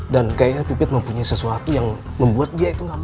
dan kayaknya pipit mempunyai sesuatu yang membuat dia itu gak mau